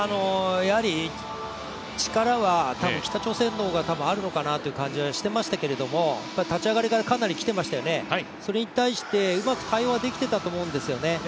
力は多分、北朝鮮の方があるのかなという感じがしてましたけども立ち上がりからかなりきていましたよね、それに対してうまく対応はできていたと思うんですよね。